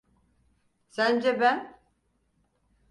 Sence ben…